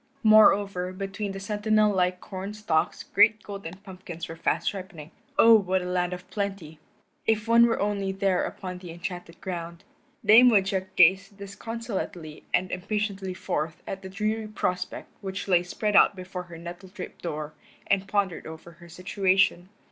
Moreover, between the sentinel like corn stalks great golden pumpkins were fast ripening. Oh, what a land of plenty! If one were only there upon the enchanted ground. Dame Woodchuck gazed disconsolately and impatiently forth at the dreary prospect which lay spread out before her nettle draped door and pondered over her situation.